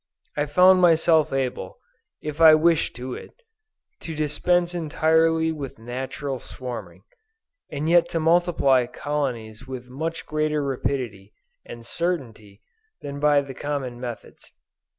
I found myself able, if I wished it, to dispense entirely with natural swarming, and yet to multiply colonies with much greater rapidity and certainty than by the common methods.